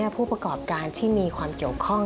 ผู้ประกอบการที่มีความเกี่ยวข้อง